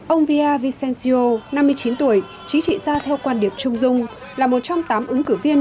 ông villavicencio năm mươi chín tuổi chí trị ra theo quan điệp trung dung là một trong tám ứng cử viên